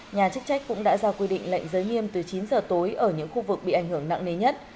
nhà chức trách cũng đã ra quy định lệnh giới nghiêm từ chín giờ tối ở những khu vực bị ảnh hưởng nặng nề nhất